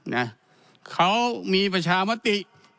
นะเขามีประชามติ